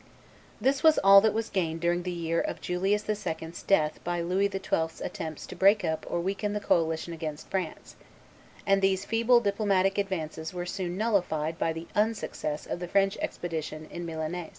This was all that was gained during the year of Julius II.'s death by Louis XII.'s attempts to break up or weaken the coalition against France; and these feeble diplomatic advantages were soon nullified by the unsuccess of the French expedition in Milaness.